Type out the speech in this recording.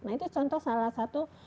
nah itu contoh salah satu